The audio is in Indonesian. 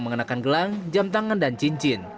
mengenakan gelang jam tangan dan cincin